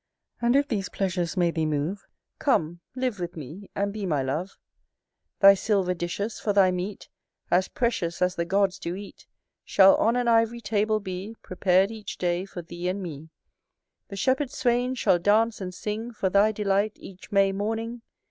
And if these pleasures may thee move, Come, live with me, and be my love, Thy silver dishes, for thy meat As precious as the Gods do eat Shall, on an ivory table, be Prepared each day for thee and me. The shepherd swains shall dance and sing For thy delight, each May morning.